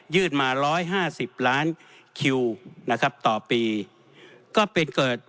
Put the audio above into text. ยื่นมา๑๕๐ล้านคิวต่อปี